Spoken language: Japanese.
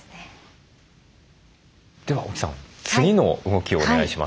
では沖さん次の動きをお願いします。